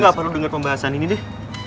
gue ga perlu denger pembahasan ini deh